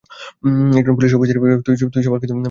একজন police officer হিসেবে, তুই সফল, কিন্তু মা হিসেবে আমি ব্যর্থ।